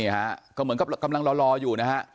เหมือนก็กำลังรออยู่